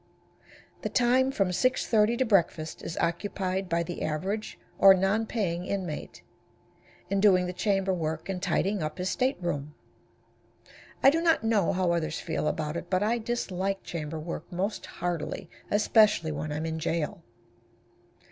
The time from 6:30 to breakfast is occupied by the average, or non paying inmate, in doing the chamberwork and tidying up his state room. I do not know how others feel about it, but I dislike chamberwork most heartily, especially when I am in jail.